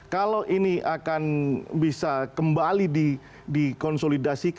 kalau ini akan bisa kembali dikonsolidasi